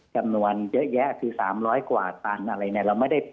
จำนวนเยอะแยะคือ๓๐๐กว่าตันอะไรเนี่ย